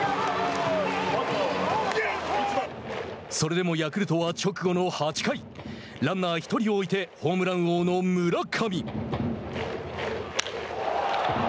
それでもヤクルトは直後の８回ランナー１人を置いてホームラン王の村上。